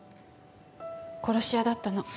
殺し屋だったの。